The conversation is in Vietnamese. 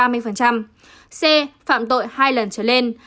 c phạm tội hai lần trở lên